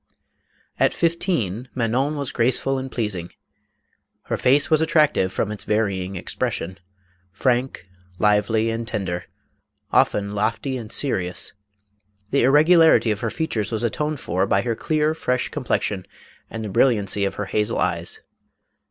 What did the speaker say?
At fifteen Manon was graceful and pleasing; her face was attractive from its varying expression, frank, lively and tender, often lofty and serious ; the irregu larity of her features was atoned for by her clear fresh complexion and the brilliancy of her hazel eyes.